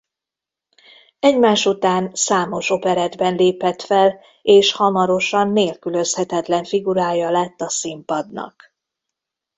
Egymásután számos operettben lépett fel és hamarosan nélkülözhetetlen figurája lett a színpadnak.